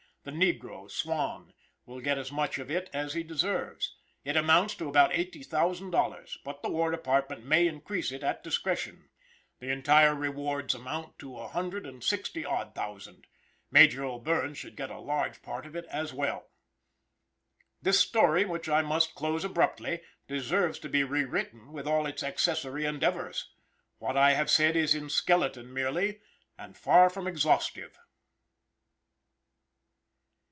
The negro, Swan, will get as much of it, as he deserves. It amounts to about eighty thousand dollars, but the War Department may increase it at discretion. The entire rewards amount to a hundred and sixty odd thousand. Major O'Bierne should get a large part of it as well. This story which I must close abruptly, deserves to be re written, with all its accessory endeavours. What I have said is in skeleton merely, and far from exhaustive.